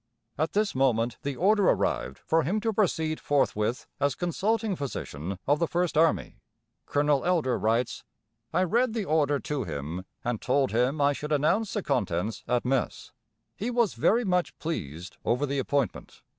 At this moment the order arrived for him to proceed forthwith as Consulting Physician of the First Army. Colonel Elder writes, "I read the order to him, and told him I should announce the contents at mess. He was very much pleased over the appointment.